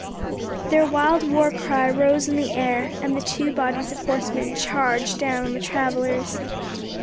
Their wild war cry rose in the air, and the two bodies of horsemen charged down on the travellers.